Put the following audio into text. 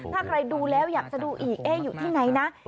ถ้าใครดูแล้วอยากจะดูอีกอยู่ที่ไหนนะ